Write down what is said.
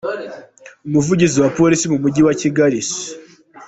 Umuvugizi waPolisi mu Mujyi wa Kigali, Sup.